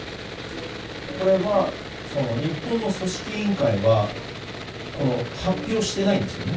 これは日本の組織委員会は発表していないんですよね。